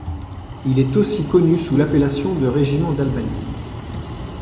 Il est aussi connu sous l’appellation de régiment d'Albany.